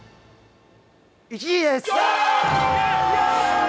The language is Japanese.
１位です！